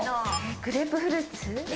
グレープフルーツ？